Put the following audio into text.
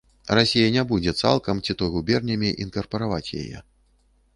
Расія не будзе цалкам ці то губернямі інкарпараваць яе.